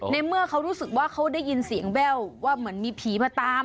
ในเมื่อเขารู้สึกว่าเขาได้ยินเสียงแว่วว่าเหมือนมีผีมาตาม